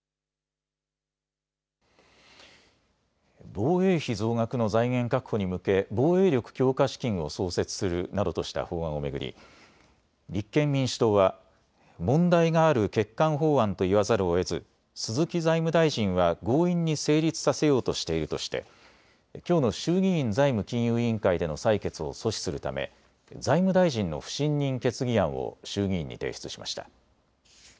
防衛費増額の財源確保に向け防衛力強化資金を創設するなどとした法案を巡り、立憲民主党は問題がある欠陥法案と言わざるをえず鈴木財務大臣は強引に成立させようとしているとしてきょうの衆議院財務金融委員会での採決を阻止するため財務大臣の不信任決議案を衆議院に提出しました。